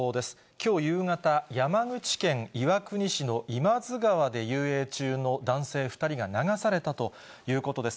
きょう夕方、山口県岩国市のいまづ川で遊泳中の男性２人が流されたということです。